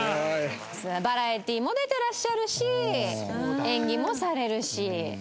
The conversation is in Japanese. バラエティも出てらっしゃるし演技もされるし。